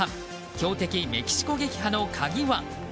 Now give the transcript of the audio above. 強敵メキシコ、撃破の鍵は。